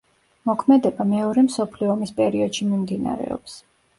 მოქმედება მეორე მსოფლიო ომის პერიოდში მიმდინარეობს.